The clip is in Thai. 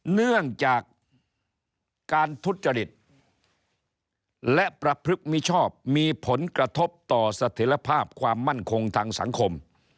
เนื่องจากการทุจริตและประพฤกษมิชอบมีผลกระทบต่อเสถียรภาพความมั่นคงทางสังคม